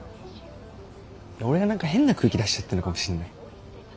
俺が何か変な空気出しちゃってんのかもしんない。